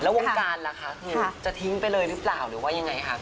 วงการล่ะคะคือจะทิ้งไปเลยหรือเปล่าหรือว่ายังไงคะ